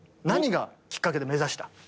何がきっかけで目指した？